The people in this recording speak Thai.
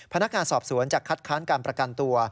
พนักงานสอบสวนจะคัดค้านการประกันตัว